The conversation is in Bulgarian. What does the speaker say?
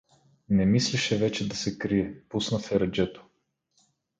Не мислеше вече да се крие, пусна фереджето.